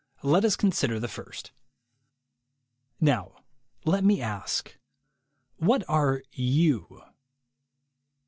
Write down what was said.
Let us consider the first. Now let me ask. What are you?